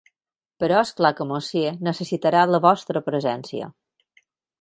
Però és clar que Monsieur necessitarà la vostra presència.